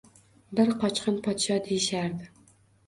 Bir qochqin podsho, deyishardi.